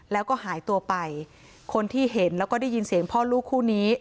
แล้วก็หายตัวไปคนที่เห็นแล้วก็ได้ยินเสียงพ่อลูกคู่นี้